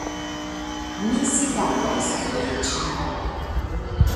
Mi sidados tie ĉi.